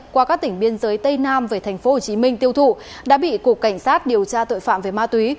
qua các tỉnh biên giới tây nam về tp hcm tiêu thụ đã bị cục cảnh sát điều tra tội phạm về ma túy